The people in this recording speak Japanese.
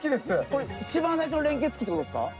これ一番最初の連結器ってことですか？